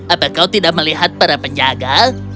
apa kau tidak melihat para penjaga